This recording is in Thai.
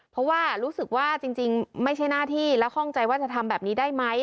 เพราะว่ารู้สึกว่าจริงไม่ใช่หน้าที่และข้องใจว่าจะทำแบบนี้ได้ไหม